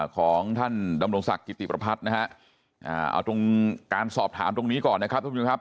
ของท่านดำรงศักดิ์กิติประพัฒน์นะฮะเอาตรงการสอบถามตรงนี้ก่อนนะครับทุกผู้ชมครับ